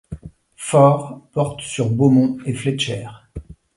Fort, porte sur Beaumont et Fletcher.